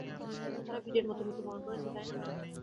তারা বীরের মতো মৃত্যুবরণ করেছে, তাই না?